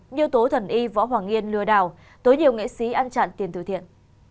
như tố thần y võ hoàng yên lừa đảo tối nhiều nghệ sĩ ăn chặn tiền thừa thiện